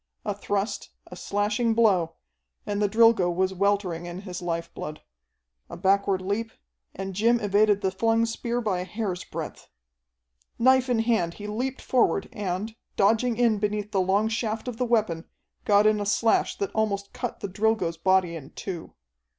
A thrust, a slashing blow, and the Drilgo was weltering in his life blood. A backward leap, and Jim evaded the flung spear by a hair's breadth. Knife in hand he leaped forward, and, dodging in beneath the long shaft of the weapon, got in a slash that almost cut the Drilgo's body in two.